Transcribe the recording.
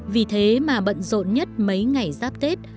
vì thế mà bận rộn nhất mấy ngày giáp tết